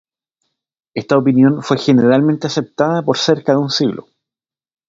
Esta opinión fue generalmente aceptada por cerca de un siglo.